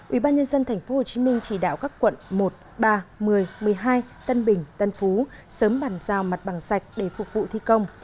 ủy ban nhân dân tp hcm chỉ đạo các quận một ba một mươi một mươi hai tân bình tân phú sớm bàn giao mặt bằng sạch để phục vụ thi công